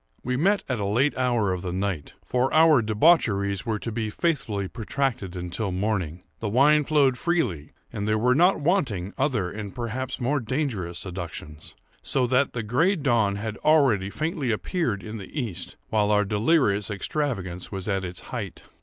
We met at a late hour of the night; for our debaucheries were to be faithfully protracted until morning. The wine flowed freely, and there were not wanting other and perhaps more dangerous seductions; so that the gray dawn had already faintly appeared in the east, while our delirious extravagance was at its height.